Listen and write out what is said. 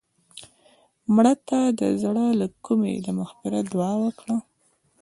مړه ته د زړه له کومې د مغفرت دعا وکړه